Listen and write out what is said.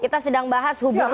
kita sedang bahas hubungan